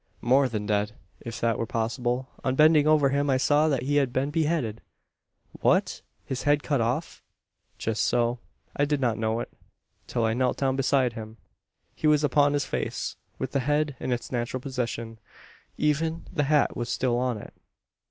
"More than dead; if that were possible. On bending over him, I saw that he had been beheaded!" "What! His head cut off?" "Just so. I did not know it, till I knelt down beside him. He was upon his face with the head in its natural position. Even the hat was still on it!